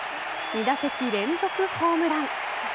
２打席連続ホームラン。